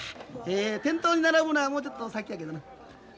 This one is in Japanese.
店頭に並ぶのはもうちょっと先やけどな。